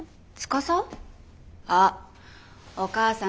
あっお母さん